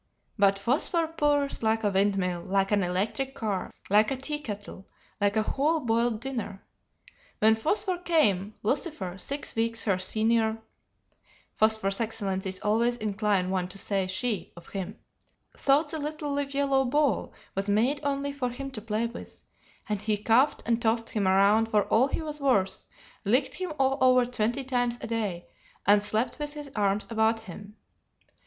But Phosphor purrs like a windmill, like an electric car, like a tea kettle, like a whole boiled dinner. When Phosphor came, Lucifer, six weeks her senior (Phosphor's excellencies always incline one to say 'she' of him), thought the little live yellow ball was made only for him to play with, and he cuffed and tossed him around for all he was worth, licked him all over twenty times a day, and slept with his arms about him.